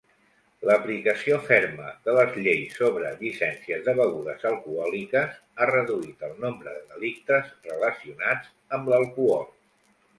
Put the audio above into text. L'aplicació ferma de les lleis sobre llicències de begudes alcohòliques ha reduït el nombre de delictes relacionats amb l'alcohol.